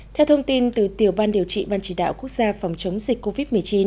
theo thông tin từ tiểu ban điều trị ban chỉ đạo quốc gia phòng chống dịch covid một mươi chín